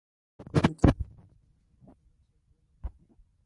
قومي تبعیض د انساني کرامت د نقض یوه کړنه ده.